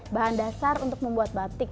bahan dasar untuk membuat batik